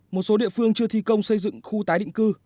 một số địa phương chưa thi công xây dựng khu tái định cư